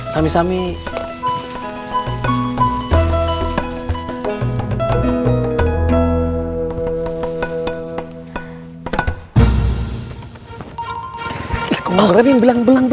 sampai jumpa lagi